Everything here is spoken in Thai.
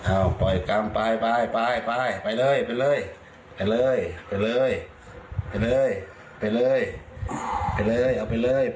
ออกมาเลย